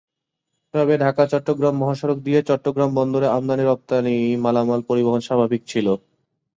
তবে ঢাকা-চট্টগ্রাম মহাসড়ক দিয়ে চট্টগ্রাম বন্দরে আমদানি-রপ্তানি মালামাল পরিবহন স্বাভাবিক ছিল।